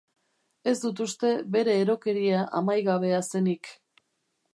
Ez dut uste bere erokeria amaigabea zenik.